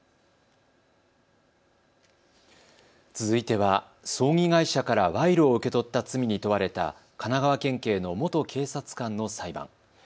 続いては葬儀会社から賄賂を受け取った罪に問われた神奈川県警の元警察官の裁判。